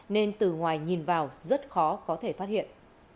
nên từ ngoài nhìn vào rất khó có thể phát hiện